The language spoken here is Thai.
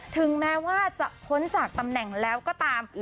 ถึงแม้ว่าจะพ้นจากตำแหน่งแล้วก็ตาม